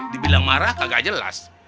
dibilang marah kagak jelas